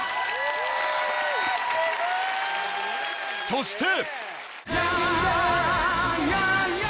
そして！